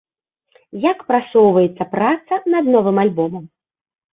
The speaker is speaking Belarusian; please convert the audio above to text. Як прасоўваецца праца над новым альбомам?